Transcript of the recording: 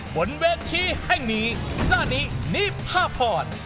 บนเวทย์ที่แห่งนี้ซานินิภาพร